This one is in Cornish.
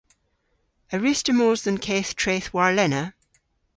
A wruss'ta mos dhe'n keth treth warlena?